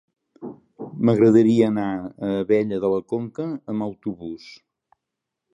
M'agradaria anar a Abella de la Conca amb autobús.